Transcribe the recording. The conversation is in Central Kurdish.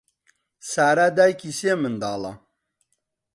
سارا دایکی سێ منداڵە.